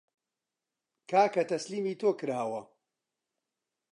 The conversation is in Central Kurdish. کاکە تەسلیمی تۆ کراوە